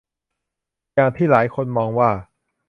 อย่างที่หลายคนมองว่า